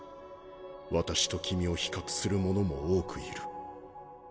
私と君を比較する者も多くいる。